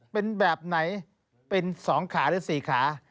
เป็นแบบไหนเป็นสองขาหรือสี่ขา